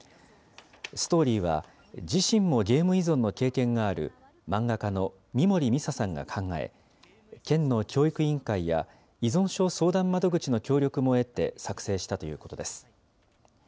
ストーリーは、自身もゲーム依存の経験がある漫画家の三森みささんが考え、県の教育委員会や依存症相談窓口の協力も得て作成したということです。